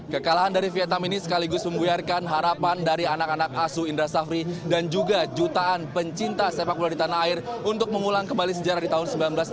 kekalahan dari vietnam ini sekaligus membuyarkan harapan dari anak anak asu indra safri dan juga jutaan pencinta sepak bola di tanah air untuk mengulang kembali sejarah di tahun seribu sembilan ratus delapan puluh